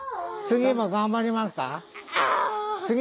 次も頑張りますか？